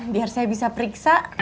biar saya bisa periksa